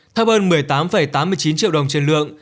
thấp hơn một mươi tám tám mươi chín triệu đồng trên lượng